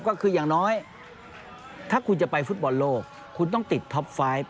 ก็คืออย่างน้อยถ้าคุณจะไปฟุตบอลโลกคุณต้องติดท็อปไฟต์